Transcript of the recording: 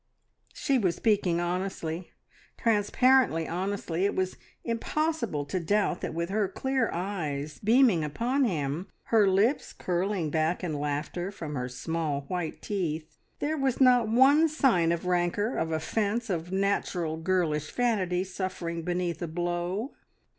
She was speaking honestly, transparently honestly; it was impossible to doubt that, with her clear eyes beaming upon him, her lips curling back in laughter from her small white teeth. There was not one sign of rancour, of offence, of natural girlish vanity suffering beneath a blow.